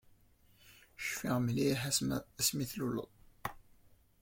Cfiɣ mliḥ asmi tluleḍ.